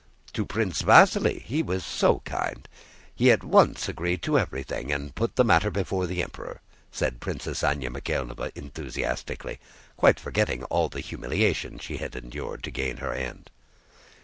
"To Prince Vasíli. He was so kind. He at once agreed to everything, and put the matter before the Emperor," said Princess Anna Mikháylovna enthusiastically, quite forgetting all the humiliation she had endured to gain her end.